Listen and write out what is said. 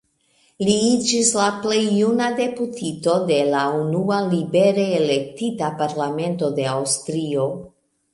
Li iĝis la plej juna deputito de la unua libere elektita parlamento de Aŭstrio.